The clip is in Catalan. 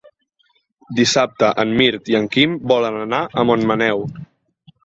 Dissabte en Mirt i en Quim volen anar a Montmaneu.